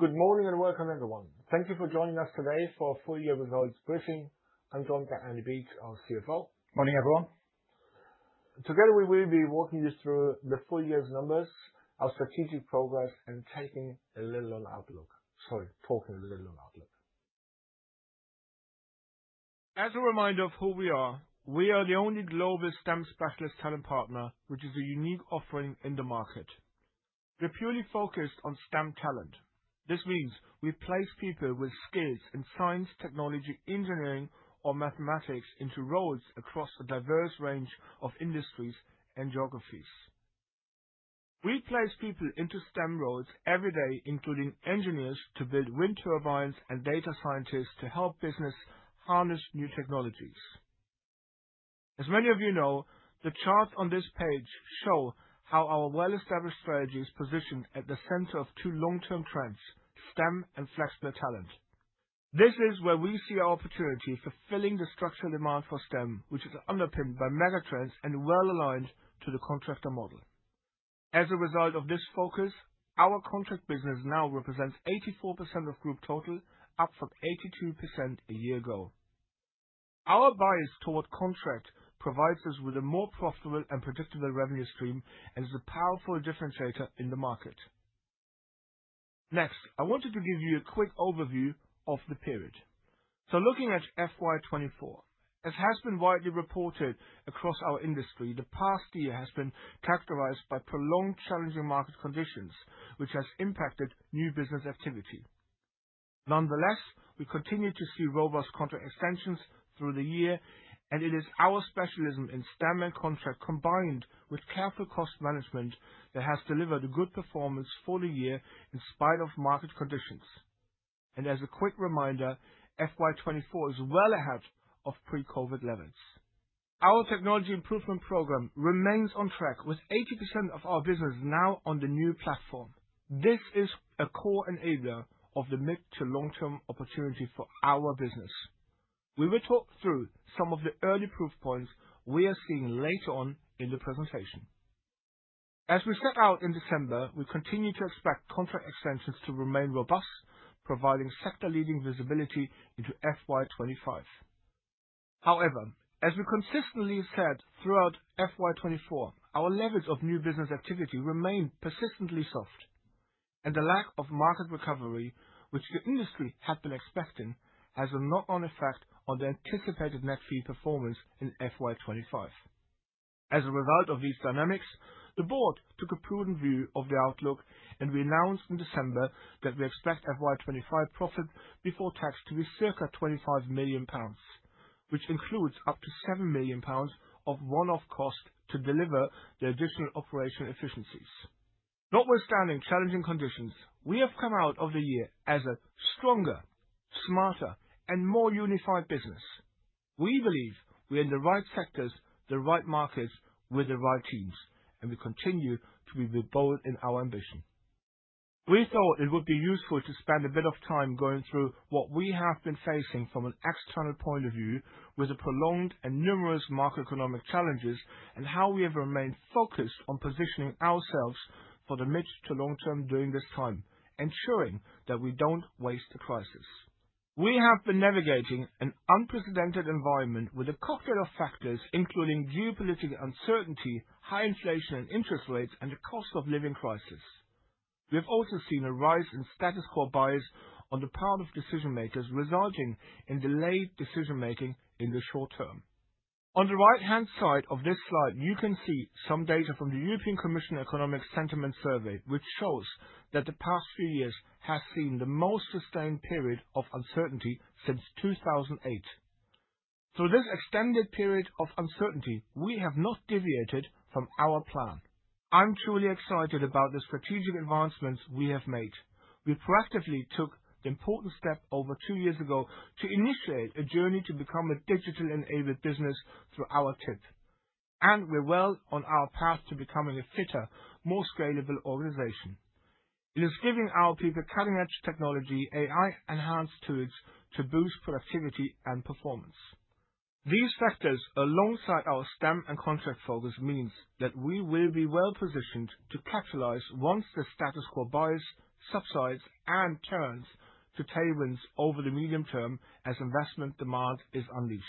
Good morning and welcome, everyone. Thank you for joining us today for a full-year results briefing. I'm going for Andrew Beach, our CFO. Morning, everyone. Together, we will be walking you through the full year's numbers, our strategic progress, and taking a little outlook. Sorry, talking a little outlook. As a reminder of who we are, we are the only global STEM specialist talent partner, which is a unique offering in the market. We're purely focused on STEM talent. This means we place people with skills in science, technology, engineering, or mathematics into roles across a diverse range of industries and geographies. We place people into STEM roles every day, including engineers to build wind turbines and data scientists to help businesses harness new technologies. As many of you know, the charts on this page show how our well-established strategy is positioned at the center of two long-term trends: STEM and flexible talent. This is where we see our opportunity for filling the structural demand for STEM, which is underpinned by mega-trends and well-aligned to the contractor model. As a result of this focus, our contract business now represents 84% of group total, up from 82% a year ago. Our bias toward contract provides us with a more profitable and predictable revenue stream and is a powerful differentiator in the market. Next, I wanted to give you a quick overview of the period, so looking at FY 2024, as has been widely reported across our industry, the past year has been characterized by prolonged, challenging market conditions, which has impacted new business activity. Nonetheless, we continue to see robust contract extensions through the year, and it is our specialism in STEM and contract, combined with careful cost management, that has delivered good performance for the year in spite of market conditions, and as a quick reminder, FY 2024 is well ahead of pre-COVID levels. Our Technology Improvement Program remains on track, with 80% of our business now on the new platform. This is a core enabler of the mid- to long-term opportunity for our business. We will talk through some of the early proof points we are seeing later on in the presentation. As we set out in December, we continue to expect contract extensions to remain robust, providing sector-leading visibility into FY 2025. However, as we consistently said throughout FY 2024, our levels of new business activity remain persistently soft, and the lack of market recovery, which the industry had been expecting, has a knock-on effect on the anticipated net fee performance in FY 2025. As a result of these dynamics, the board took a prudent view of the outlook and we announced in December that we expect FY 2025 profit before tax to be circa 25 million pounds, which includes up to 7 million pounds of one-off cost to deliver the additional operational efficiencies. Notwithstanding challenging conditions, we have come out of the year as a stronger, smarter, and more unified business. We believe we are in the right sectors, the right markets with the right teams, and we continue to be bold in our ambition. We thought it would be useful to spend a bit of time going through what we have been facing from an external point of view, with the prolonged and numerous macroeconomic challenges, and how we have remained focused on positioning ourselves for the mid- to long-term during this time, ensuring that we don't waste the crisis. We have been navigating an unprecedented environment with a cocktail of factors, including geopolitical uncertainty, high inflation, interest rates, and the cost of living crisis. We have also seen a rise in status quo bias on the part of decision-makers, resulting in delayed decision-making in the short term. On the right-hand side of this slide, you can see some data from the European Commission economic sentiment survey, which shows that the past few years have seen the most sustained period of uncertainty since 2008. Through this extended period of uncertainty, we have not deviated from our plan. I'm truly excited about the strategic advancements we have made. We proactively took the important step over two years ago to initiate a journey to become a digital-enabled business through our TIP, and we're well on our path to becoming a fitter, more scalable organization. It is giving our people cutting-edge technology, AI-enhanced tools to boost productivity and performance. These factors, alongside our STEM and contract focus, mean that we will be well-positioned to capitalize once the status quo bias subsides and turns to tailwinds over the medium term as investment demand is unleashed.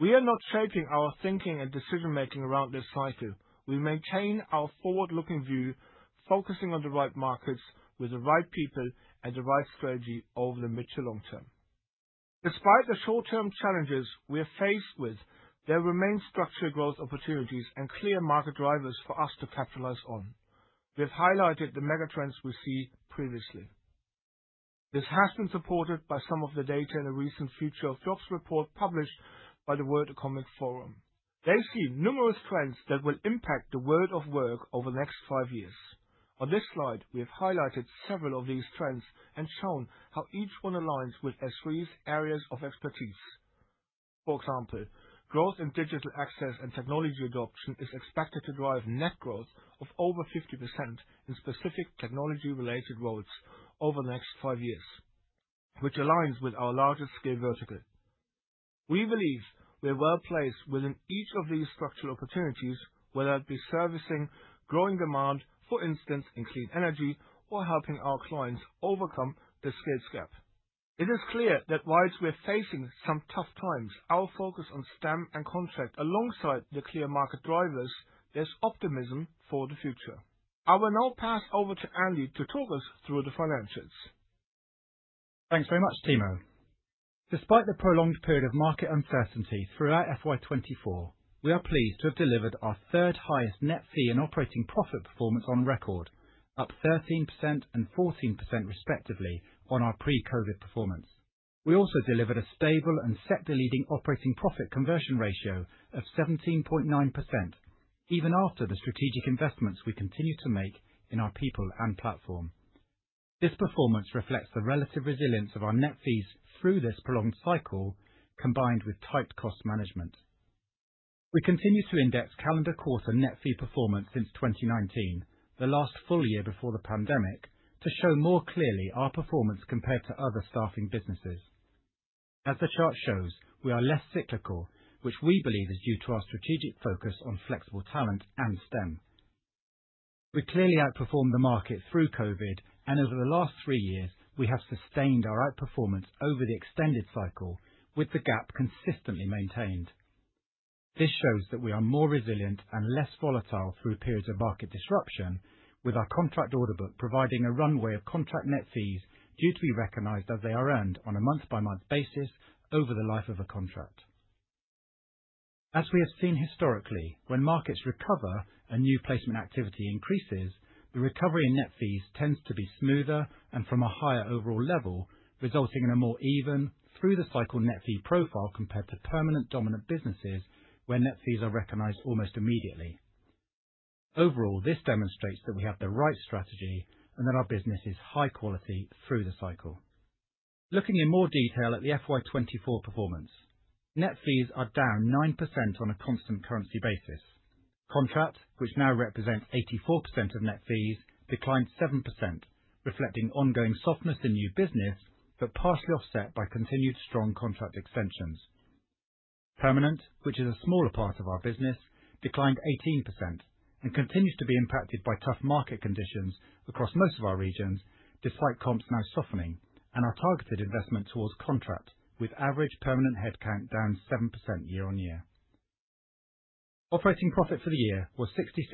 We are not shaping our thinking and decision-making around this cycle. We maintain our forward-looking view, focusing on the right markets with the right people and the right strategy over the mid- to long term. Despite the short-term challenges we are faced with, there remain structural growth opportunities and clear market drivers for us to capitalize on. We have highlighted the mega-trends we see previously. This has been supported by some of the data in the recent Future of Jobs Report published by the World Economic Forum. They see numerous trends that will impact the world of work over the next five years. On this slide, we have highlighted several of these trends and shown how each one aligns with SThree's areas of expertise. For example, growth in digital access and technology adoption is expected to drive net growth of over 50% in specific technology-related roles over the next five years, which aligns with our largest scale vertical. We believe we're well-placed within each of these structural opportunities, whether it be servicing growing demand, for instance, in clean energy, or helping our clients overcome the skills gap. It is clear that while we're facing some tough times, our focus on STEM and contract, alongside the clear market drivers. There's optimism for the future. I will now pass over to Andrew to talk us through the financials. Thanks very much, Timo. Despite the prolonged period of market uncertainty throughout FY 2024, we are pleased to have delivered our third highest net fee and operating profit performance on record, up 13% and 14% respectively on our pre-COVID performance. We also delivered a stable and sector-leading operating profit conversion ratio of 17.9%, even after the strategic investments we continue to make in our people and platform. This performance reflects the relative resilience of our net fees through this prolonged cycle, combined with tight cost management. We continue to index calendar quarter net fee performance since 2019, the last full year before the pandemic, to show more clearly our performance compared to other staffing businesses. As the chart shows, we are less cyclical, which we believe is due to our strategic focus on flexible talent and STEM. We clearly outperformed the market through COVID, and over the last three years, we have sustained our outperformance over the extended cycle, with the gap consistently maintained. This shows that we are more resilient and less volatile through periods of market disruption, with our contract order book providing a runway of contract net fees due to be recognized as they are earned on a month-by-month basis over the life of a contract. As we have seen historically, when markets recover and new placement activity increases, the recovery in net fees tends to be smoother and from a higher overall level, resulting in a more even, through-the-cycle net fee profile compared to permanent dominant businesses where net fees are recognized almost immediately. Overall, this demonstrates that we have the right strategy and that our business is high quality through the cycle. Looking in more detail at the FY 2024 performance, net fees are down 9% on a constant currency basis. Contract, which now represents 84% of net fees, declined 7%, reflecting ongoing softness in new business but partially offset by continued strong contract extensions. Permanent, which is a smaller part of our business, declined 18% and continues to be impacted by tough market conditions across most of our regions, despite comps now softening, and our targeted investment towards contract, with average permanent headcount down 7% year on year. Operating profit for the year was 66.2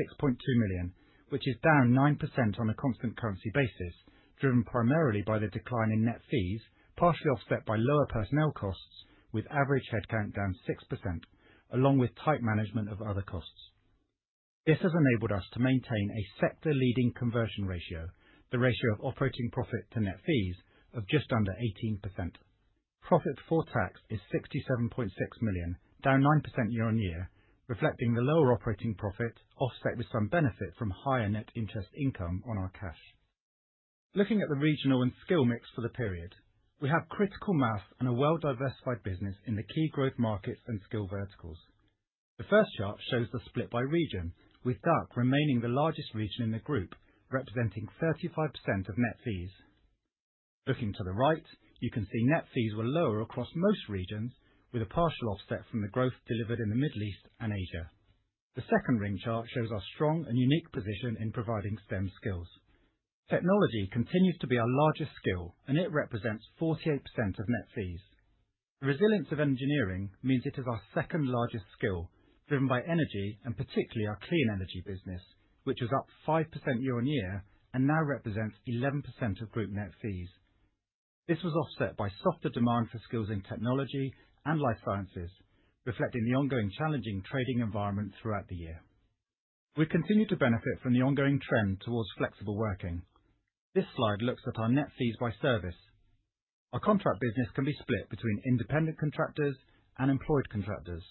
million, which is down 9% on a constant currency basis, driven primarily by the decline in net fees, partially offset by lower personnel costs, with average headcount down 6%, along with tight management of other costs. This has enabled us to maintain a sector-leading conversion ratio, the ratio of operating profit to net fees, of just under 18%. Profit before tax is 67.6 million, down 9% year on year, reflecting the lower operating profit, offset with some benefit from higher net interest income on our cash. Looking at the regional and skill mix for the period, we have critical mass and a well-diversified business in the key growth markets and skill verticals. The first chart shows the split by region, with DACH remaining the largest region in the group, representing 35% of net fees. Looking to the right, you can see net fees were lower across most regions, with a partial offset from the growth delivered in the Middle East and Asia. The second ring chart shows our strong and unique position in providing STEM skills. Technology continues to be our largest skill, and it represents 48% of net fees. The resilience of engineering means it is our second-largest skill, driven by energy and particularly our clean energy business, which was up 5% year on year and now represents 11% of group net fees. This was offset by softer demand for skills in technology and life sciences, reflecting the ongoing challenging trading environment throughout the year. We continue to benefit from the ongoing trend towards flexible working. This slide looks at our net fees by service. Our contract business can be split between independent contractors and employed contractors.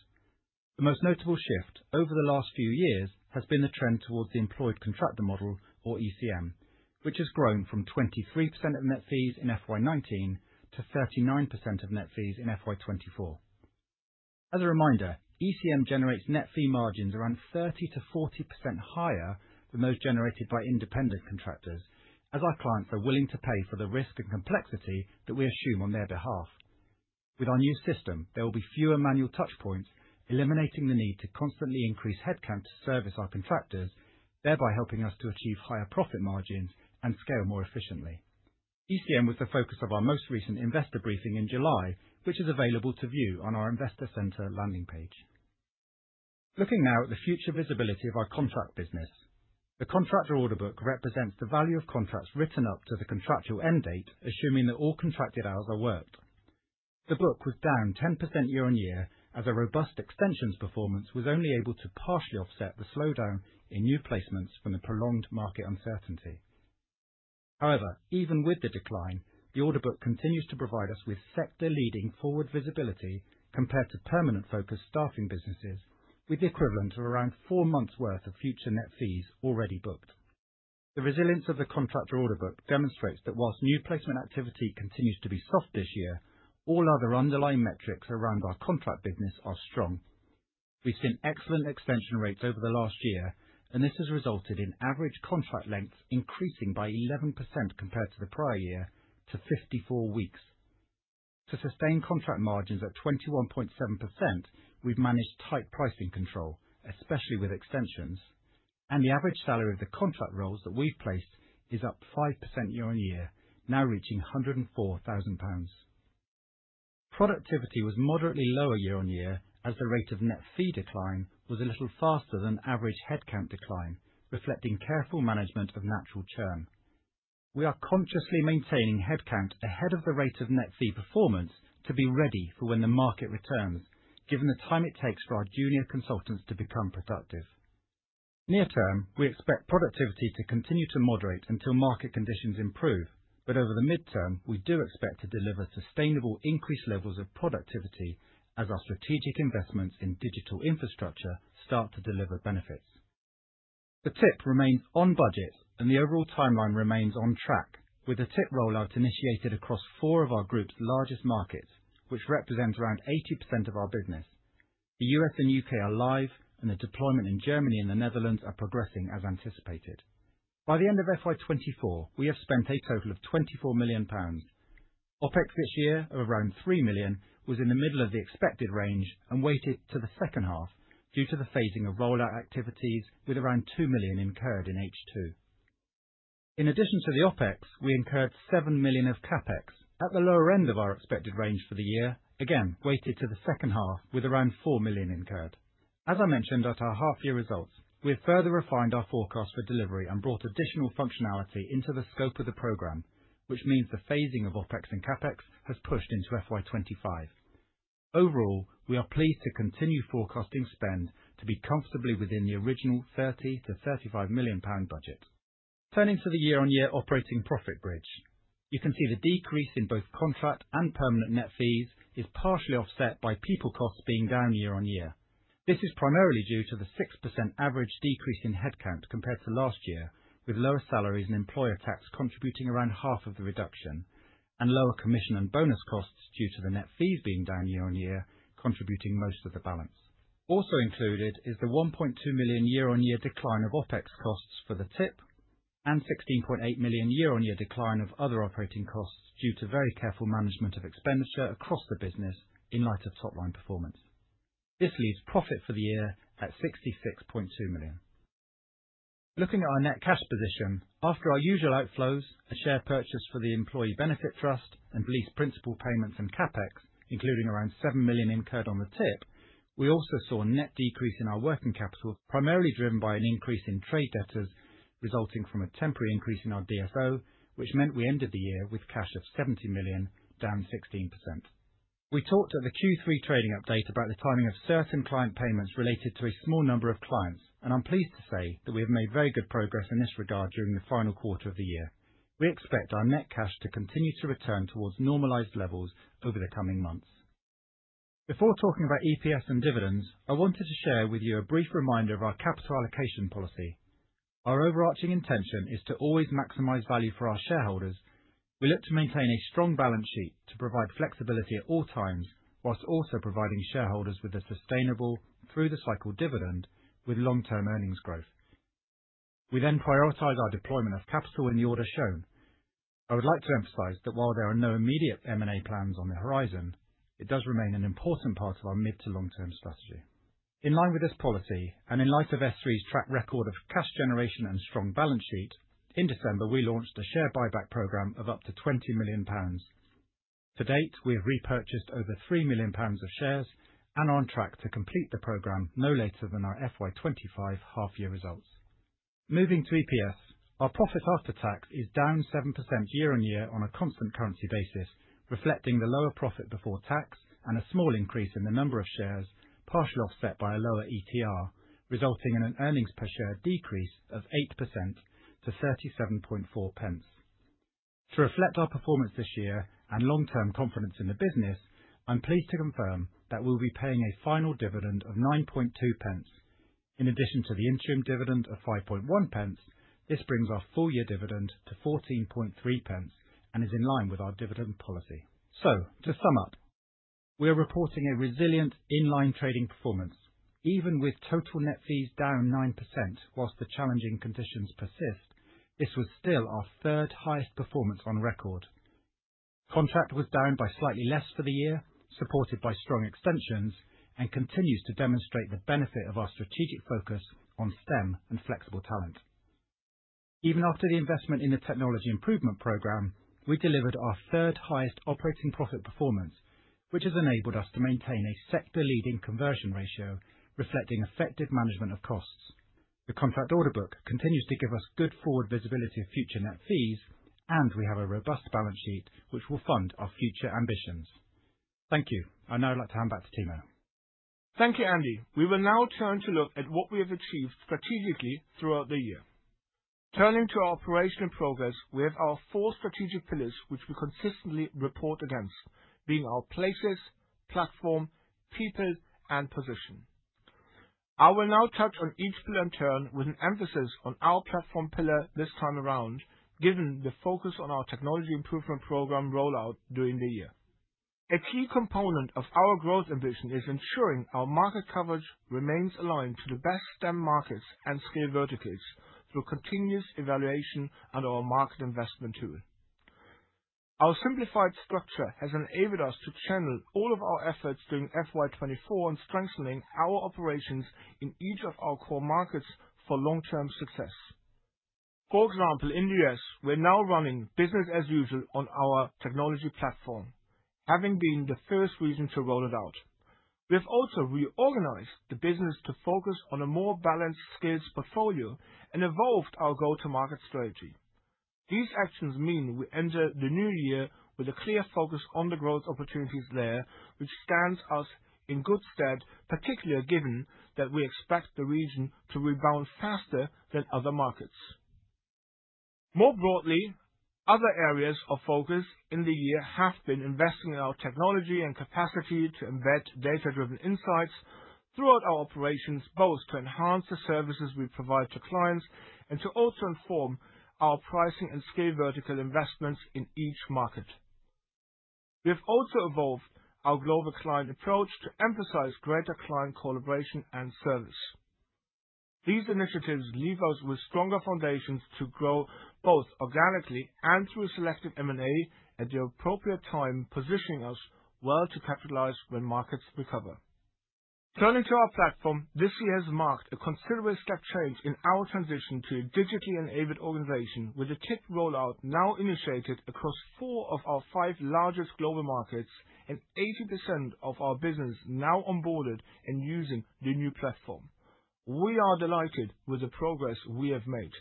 The most notable shift over the last few years has been the trend towards the employed contractor model, or ECM, which has grown from 23% of net fees in FY 2019 to 39% of net fees in FY 2024. As a reminder, ECM generates net fee margins around 30%-40% higher than those generated by independent contractors, as our clients are willing to pay for the risk and complexity that we assume on their behalf. With our new system, there will be fewer manual touchpoints, eliminating the need to constantly increase headcount to service our contractors, thereby helping us to achieve higher profit margins and scale more efficiently. ECM was the focus of our most recent investor briefing in July, which is available to view on our Investor center landing page. Looking now at the future visibility of our contract business, the contractor order book represents the value of contracts written up to the contractual end date, assuming that all contracted hours are worked. The book was down 10% year on year as a robust extensions performance was only able to partially offset the slowdown in new placements from the prolonged market uncertainty. However, even with the decline, the order book continues to provide us with sector-leading forward visibility compared to permanent-focused staffing businesses, with the equivalent of around four months' worth of future net fees already booked. The resilience of the contractor order book demonstrates that whilst new placement activity continues to be soft this year, all other underlying metrics around our contract business are strong. We've seen excellent extension rates over the last year, and this has resulted in average contract lengths increasing by 11% compared to the prior year to 54 weeks. To sustain contract margins at 21.7%, we've managed tight pricing control, especially with extensions, and the average salary of the contract roles that we've placed is up 5% year on year, now reaching 104,000 pounds. Productivity was moderately lower year on year as the rate of net fee decline was a little faster than average headcount decline, reflecting careful management of natural churn. We are consciously maintaining headcount ahead of the rate of net fee performance to be ready for when the market returns, given the time it takes for our junior consultants to become productive. Near term, we expect productivity to continue to moderate until market conditions improve, but over the midterm, we do expect to deliver sustainable increased levels of productivity as our strategic investments in digital infrastructure start to deliver benefits. The TIP remains on budget, and the overall timeline remains on track, with the TIP rollout initiated across four of our group's largest markets, which represents around 80% of our business. The U.S. and U.K. are live, and the deployment in Germany and the Netherlands are progressing as anticipated. By the end of FY 2024, we have spent a total of GBP 24 million. OpEx this year, of around 3 million, was in the middle of the expected range and weighted to the second half due to the phasing of rollout activities, with around 2 million incurred in H2. In addition to the OpEx, we incurred 7 million of CapEx at the lower end of our expected range for the year, again weighted to the second half with around 4 million incurred. As I mentioned at our half-year results, we have further refined our forecast for delivery and brought additional functionality into the scope of the program, which means the phasing of OpEx and CapEx has pushed into FY 2025. Overall, we are pleased to continue forecasting spend to be comfortably within the original 30 million-35 million pound budget. Turning to the year-on-year operating profit bridge, you can see the decrease in both contract and permanent net fees is partially offset by people costs being down year on year. This is primarily due to the 6% average decrease in headcount compared to last year, with lower salaries and employer tax contributing around half of the reduction, and lower commission and bonus costs due to the net fees being down year on year, contributing most of the balance. Also included is the 1.2 million year-on-year decline of OpEx costs for the TIP and 16.8 million year-on-year decline of other operating costs due to very careful management of expenditure across the business in light of top-line performance. This leaves profit for the year at 66.2 million. Looking at our net cash position, after our usual outflows, a share purchase for the Employee Benefit Trust and lease principal payments and CapEx, including around 7 million incurred on the TIP, we also saw a net decrease in our working capital, primarily driven by an increase in trade debtors resulting from a temporary increase in our DSO, which meant we ended the year with cash of 70 million, down 16%. We talked at the Q3 trading update about the timing of certain client payments related to a small number of clients, and I'm pleased to say that we have made very good progress in this regard during the final quarter of the year. We expect our net cash to continue to return towards normalized levels over the coming months. Before talking about EPS and dividends, I wanted to share with you a brief reminder of our capital allocation policy. Our overarching intention is to always maximize value for our shareholders. We look to maintain a strong balance sheet to provide flexibility at all times, whilst also providing shareholders with a sustainable, through-the-cycle dividend with long-term earnings growth. We then prioritize our deployment of capital in the order shown. I would like to emphasize that while there are no immediate M&A plans on the horizon, it does remain an important part of our mid to long-term strategy. In line with this policy, and in light of SThree's track record of cash generation and strong balance sheet, in December, we launched a share buyback program of up to 20 million pounds. To date, we have repurchased over 3 million pounds of shares and are on track to complete the program no later than our FY 2025 half-year results. Moving to EPS, our profit after tax is down 7% year on year on a constant currency basis, reflecting the lower profit before tax and a small increase in the number of shares, partially offset by a lower ETR, resulting in an earnings per share decrease of 8% to 37.4 pence To reflect our performance this year and long-term confidence in the business, I'm pleased to confirm that we'll be paying a final dividend of 9.2 pence. In addition to the interim dividend of 5.1 pence, this brings our full-year dividend to 14.3 pence and is in line with our dividend policy. So, to sum up, we are reporting a resilient in-line trading performance. Even with total net fees down 9% while the challenging conditions persist, this was still our third highest performance on record. Contract was down by slightly less for the year, supported by strong extensions, and continues to demonstrate the benefit of our strategic focus on STEM and flexible talent. Even after the investment in the Technology Improvement Program, we delivered our third highest operating profit performance, which has enabled us to maintain a sector-leading conversion ratio, reflecting effective management of costs. The contractor order book continues to give us good forward visibility of future net fees, and we have a robust balance sheet which will fund our future ambitions. Thank you. I'd now like to hand back to Timo. Thank you, Andy. We will now turn to look at what we have achieved strategically throughout the year. Turning to our operational progress, we have our four strategic pillars which we consistently report against, being our places, platform, people, and position. I will now touch on each pillar in turn, with an emphasis on our platform pillar this time around, given the focus on our Technology Improvement Program rollout during the year. A key component of our growth ambition is ensuring our market coverage remains aligned to the best STEM markets and skill verticals through continuous evaluation and our market investment tool. Our simplified structure has enabled us to channel all of our efforts during FY 2024 on strengthening our operations in each of our core markets for long-term success. For example, in the U.S., we're now running business as usual on our technology platform, having been the first region to roll it out. We have also reorganized the business to focus on a more balanced skills portfolio and evolved our go-to-market strategy. These actions mean we enter the new year with a clear focus on the growth opportunities there, which stands us in good stead, particularly given that we expect the region to rebound faster than other markets. More broadly, other areas of focus in the year have been investing in our technology and capacity to embed data-driven insights throughout our operations, both to enhance the services we provide to clients and to also inform our pricing and skill vertical investments in each market. We have also evolved our global client approach to emphasize greater client collaboration and service. These initiatives leave us with stronger foundations to grow both organically and through selective M&A at the appropriate time, positioning us well to capitalize when markets recover. Turning to our platform, this year has marked a considerable step change in our transition to a digitally enabled organization, with the TIP rollout now initiated across four of our five largest global markets and 80% of our business now onboarded and using the new platform. We are delighted with the progress we have made.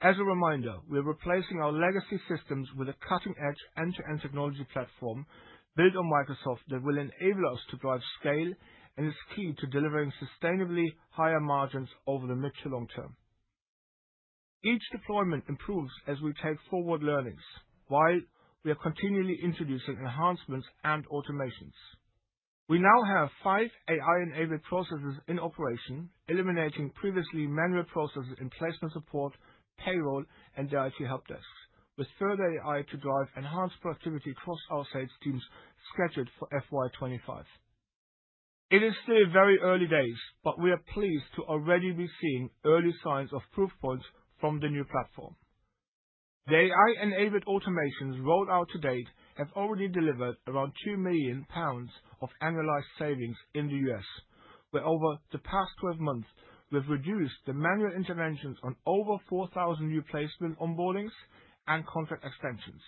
As a reminder, we're replacing our legacy systems with a cutting-edge end-to-end technology platform built on Microsoft that will enable us to drive scale, and it's key to delivering sustainably higher margins over the mid to long term. Each deployment improves as we take forward learnings, while we are continually introducing enhancements and automations. We now have five AI-enabled processes in operation, eliminating previously manual processes in placement support, payroll, and the IT helpdesk, with further AI to drive enhanced productivity across our sales teams scheduled for FY 2025. It is still very early days, but we are pleased to already be seeing early signs of proof points from the new platform. The AI-enabled automations rolled out to date have already delivered around 2 million pounds of annualized savings in the U.S., where over the past 12 months, we've reduced the manual interventions on over 4,000 new placement onboardings and contract extensions,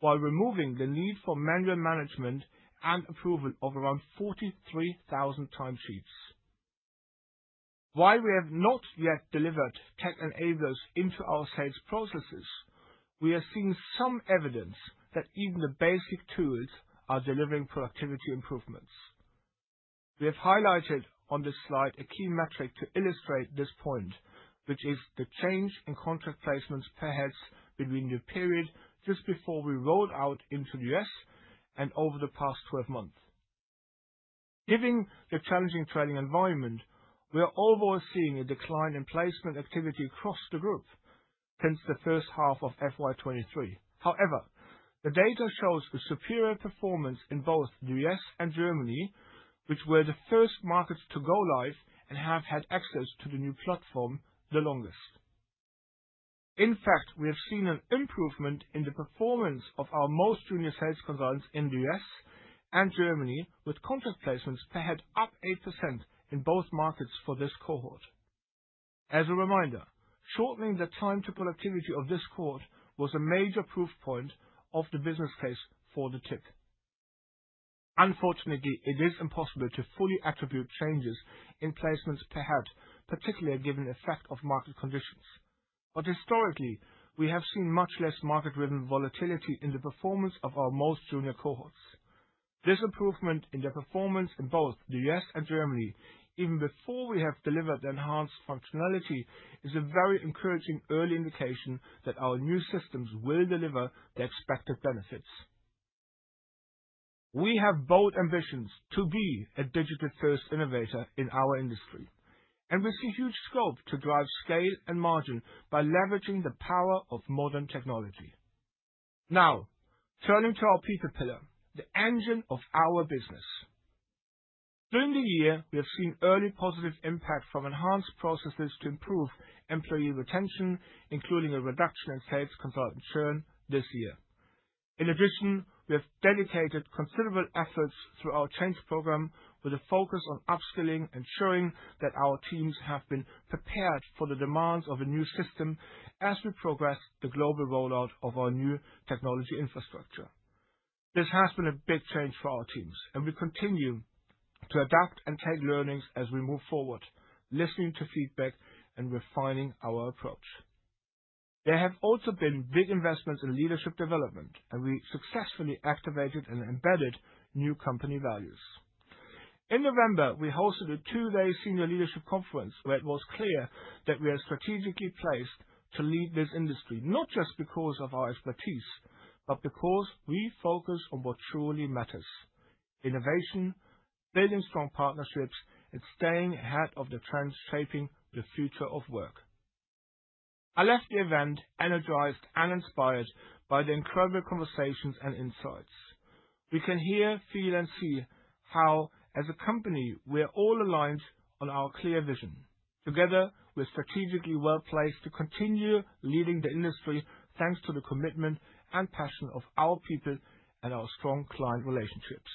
while removing the need for manual management and approval of around 43,000 timesheets. While we have not yet delivered tech enablers into our sales processes, we are seeing some evidence that even the basic tools are delivering productivity improvements. We have highlighted on this slide a key metric to illustrate this point, which is the change in contract placements per heads between the period just before we rolled out into the U.S. and over the past 12 months. Given the challenging trading environment, we are overall seeing a decline in placement activity across the group since the first half of FY 2023. However, the data shows a superior performance in both the U.S. and Germany, which were the first markets to go live and have had access to the new platform the longest. In fact, we have seen an improvement in the performance of our most junior sales consultants in the U.S. and Germany, with contract placements per head up 8% in both markets for this cohort. As a reminder, shortening the time to productivity of this cohort was a major proof point of the business case for the TIP. Unfortunately, it is impossible to fully attribute changes in placements per head, particularly given the effect of market conditions. But historically, we have seen much less market-driven volatility in the performance of our most junior cohorts. This improvement in the performance in both the U.S. and Germany, even before we have delivered the enhanced functionality, is a very encouraging early indication that our new systems will deliver the expected benefits. We have bold ambitions to be a digital-first innovator in our industry, and we see huge scope to drive scale and margin by leveraging the power of modern technology. Now, turning to our people pillar, the engine of our business. During the year, we have seen early positive impact from enhanced processes to improve employee retention, including a reduction in sales consultant churn this year. In addition, we have dedicated considerable efforts through our change program, with a focus on upskilling and ensuring that our teams have been prepared for the demands of a new system as we progress the global rollout of our new technology infrastructure. This has been a big change for our teams, and we continue to adapt and take learnings as we move forward, listening to feedback and refining our approach. There have also been big investments in leadership development, and we successfully activated and embedded new company values. In November, we hosted a two-day senior leadership conference where it was clear that we are strategically placed to lead this industry, not just because of our expertise, but because we focus on what truly matters: innovation, building strong partnerships, and staying ahead of the trends shaping the future of work. I left the event energized and inspired by the incredible conversations and insights. We can hear, feel, and see how, as a company, we are all aligned on our clear vision. Together, we are strategically well placed to continue leading the industry, thanks to the commitment and passion of our people and our strong client relationships.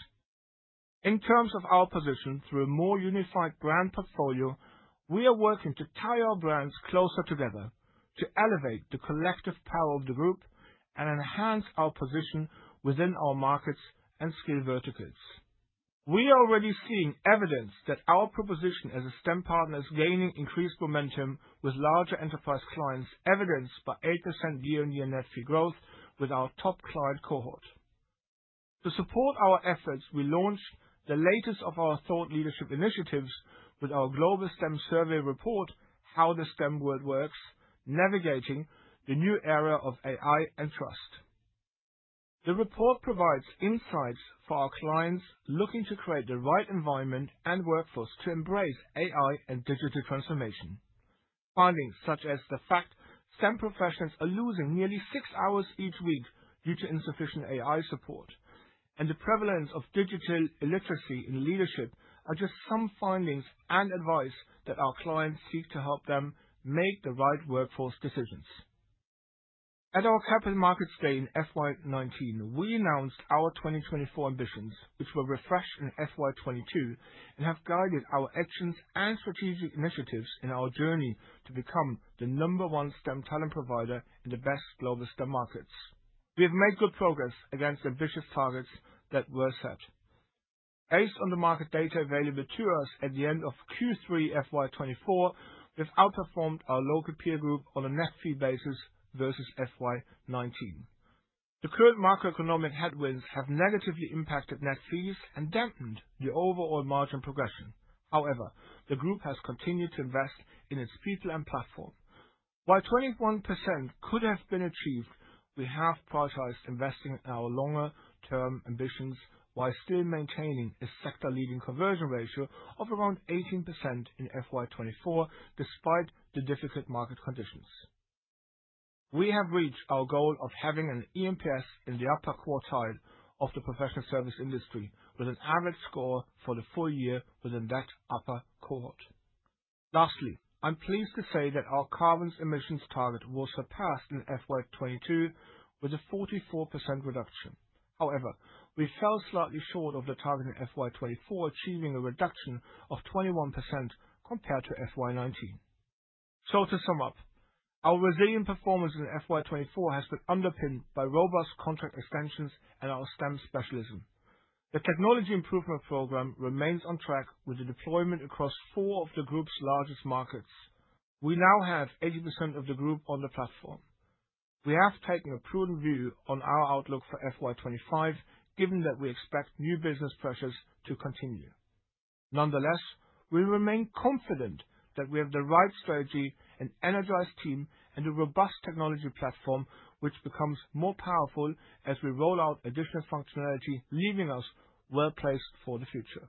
In terms of our position, through a more unified brand portfolio, we are working to tie our brands closer together to elevate the collective power of the group and enhance our position within our markets and skill verticals. We are already seeing evidence that our proposition as a STEM partner is gaining increased momentum with larger enterprise clients, evidenced by 8% year-on-year net fee growth with our top client cohort. To support our efforts, we launched the latest of our thought leadership initiatives with our global STEM survey report, "How the STEM World Works: Navigating the New Era of AI and Trust." The report provides insights for our clients looking to create the right environment and workforce to embrace AI and digital transformation. Findings such as the fact STEM professionals are losing nearly six hours each week due to insufficient AI support, and the prevalence of digital illiteracy in leadership are just some findings and advice that our clients seek to help them make the right workforce decisions. At our Capital Markets Day in FY 2019, we announced our 2024 ambitions, which were refreshed in FY22 and have guided our actions and strategic initiatives in our journey to become the number one STEM talent provider in the best global STEM markets. We have made good progress against ambitious targets that were set. Based on the market data available to us at the end of Q3 FY 2024, we have outperformed our local peer group on a net fee basis versus FY 2019. The current macroeconomic headwinds have negatively impacted net fees and dampened the overall margin progression. However, the group has continued to invest in its people and platform. While 21% could have been achieved, we have prioritized investing in our longer-term ambitions while still maintaining a sector-leading conversion ratio of around 18% in FY 2024, despite the difficult market conditions. We have reached our goal of having an eNPS in the upper quartile of the professional service industry, with an average score for the full year within that upper cohort. Lastly, I'm pleased to say that our carbon emissions target was surpassed in FY22 with a 44% reduction. However, we fell slightly short of the target in FY 2024, achieving a reduction of 21% compared to FY 2019. So, to sum up, our resilient performance in FY 2024 has been underpinned by robust contract extensions and our STEM specialism. The Technology Improvement Program remains on track with the deployment across four of the group's largest markets. We now have 80% of the group on the platform. We have taken a prudent view on our outlook for FY 2025, given that we expect new business pressures to continue. Nonetheless, we remain confident that we have the right strategy, an energized team, and a robust technology platform, which becomes more powerful as we roll out additional functionality, leaving us well placed for the future.